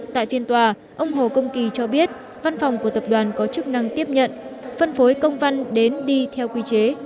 tại phiên tòa ông hồ công kỳ cho biết văn phòng của tập đoàn có chức năng tiếp nhận phân phối công văn đến đi theo quy chế